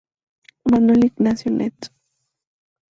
Manuel Ignacio Net".